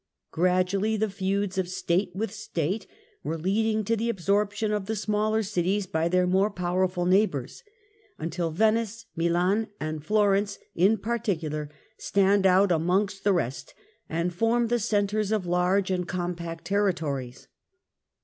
Gradually the feuds of State with State were leading to the absorption of the smaller cities by their more powerful neighbours, until Venice, Milan and Florence in particular stand out amongst the rest, and form the centres of large and compact terri tories.